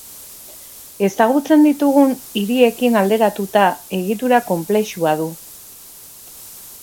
Ezagutzen ditugun hiriekin alderatuta, egitura konplexua du.